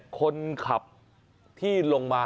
คนขับที่ลงมา